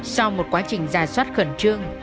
sau một quá trình ra soát khẩn trương